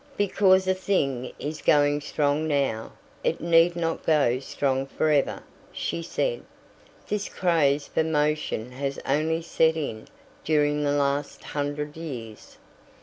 "Because a thing is going strong now, it need not go strong for ever," she said. "This craze for motion has only set in during the last hundred years.